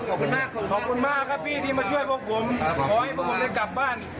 ขอบคุณมากครับพี่ที่มาช่วยพวกผมขอให้พวกผมได้กลับบ้าน